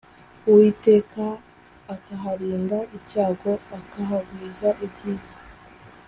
Uwiteka akaharinda icyago akahagwiza ibyiza